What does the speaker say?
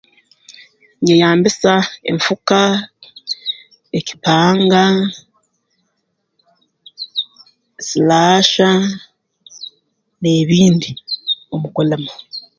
Nyeyambisa enfuka ekipanga silaasha n'ebindi mu kulima